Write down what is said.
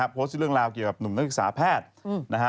โพสต์เรื่องราวเกี่ยวกับหนุ่มนักศึกษาแพทย์นะฮะ